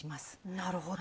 なるほど。